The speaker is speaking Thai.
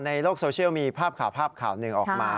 ในโลกโซเชียลมีภาพข่าวภาพข่าวหนึ่งออกมา